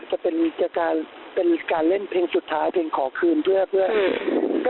จะเป็นการเล่นเพลงสุดท้ายเพลงขอคืน